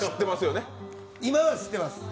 今は知ってますよね？